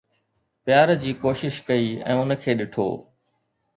پيار جي ڪوشش ڪئي ۽ ان کي ڏٺو